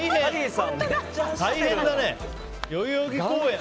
大変だね、代々木公園を。